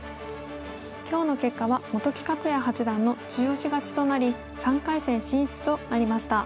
今日の結果は本木克弥八段の中押し勝ちとなり３回戦進出となりました。